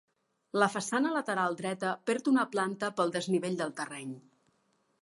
La façana lateral dreta perd una planta pel desnivell del terreny.